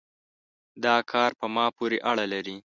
دا کار په ما پورې اړه لري